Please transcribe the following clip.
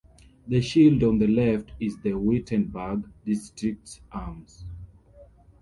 The shield on the left is the Wittenberg district's arms.